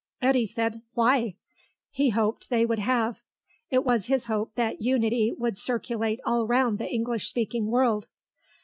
Eddy said, "Why?" He hoped they would have. It was his hope that Unity would circulate all round the English speaking world.